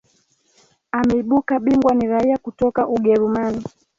ameibuka bingwa ni raia kutoka ugerumani